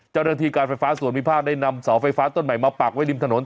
เจ้าหน้าที่การไฟฟ้าส่วนวิภาคได้นำเสาไฟฟ้าต้นใหม่มาปักไว้ริมถนน